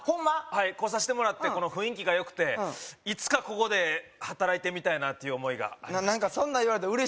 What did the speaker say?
はい来さしてもらってこの雰囲気がよくていつかここで働いてみたいなっていう思いがありました